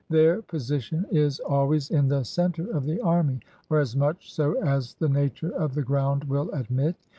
Their position is always in the center of the army, or as much so as the nature of the ground will admit.